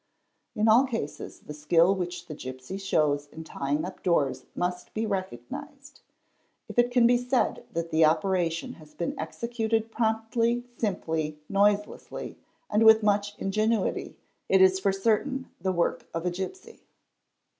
In all cases the skill which the gipsy shows in tying up doors must be recognised. If it can be said that the opera tion has been executed promptly, simply, noiselessly, and with much _ ingenuity, it is for certain the work of a gipsy.